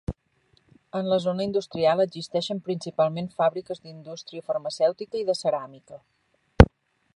En la zona industrial existeixen principalment fàbriques d'indústria farmacèutica i de ceràmica.